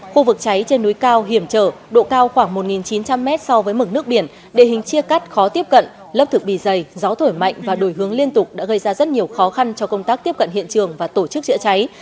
khu vực cháy trên núi cao hiểm trở độ cao khoảng một chín trăm linh m so với mực nước biển đề hình chia cắt khó tiếp cận lấp thực bì dày gió thổi mạnh và đổi hướng liên tục đã gây ra rất nhiều khó khăn cho công tác tiếp cận hiện trường và tổ chức chữa cháy